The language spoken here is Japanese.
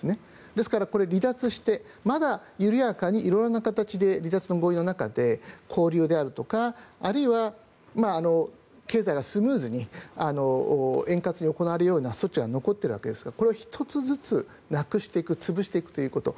ですから離脱して、まだ緩やかに色々な形で離脱の合意の中で交流であるとかあるいは経済がスムーズに円滑に行われるような措置が残っているわけですがこれを１つずつなくしていく潰していくということ。